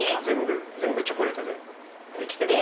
全部チョコレートでできてます。